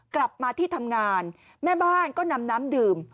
กลับมาที่ทำงานแม่บ้านก็นำน้ำดื่ม